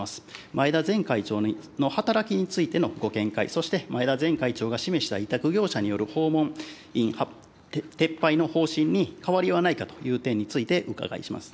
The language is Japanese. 前田前会長の働きについてのご見解、そして前田前会長が示した委託業者による訪問員撤廃の方針に変わりはないかという点について、伺います。